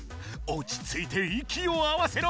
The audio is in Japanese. おちついていきを合わせろ！